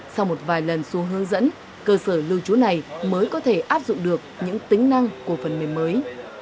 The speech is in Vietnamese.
sau một vài lần xuống hướng dẫn cơ sở lưu trú này mới có thể áp dụng được những tính năng của phần mềm mới